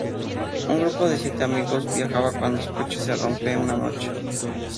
Un grupo de siete amigos viajaba cuando su coche se rompe una noche.